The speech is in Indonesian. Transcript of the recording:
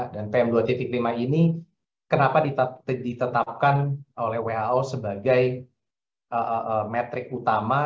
dan pm dua lima ini kenapa ditetapkan oleh who sebagai metrik utama